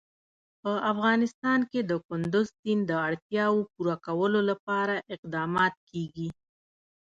په افغانستان کې د کندز سیند د اړتیاوو پوره کولو لپاره اقدامات کېږي.